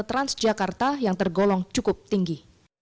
transjakarta yang tergolong cukup tinggi